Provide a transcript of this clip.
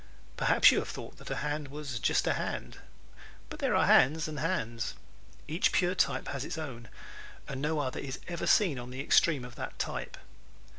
Perhaps you have thought that a hand was just a hand. But there are hands and hands. Each pure type has its own and no other is ever seen on the extreme of that type.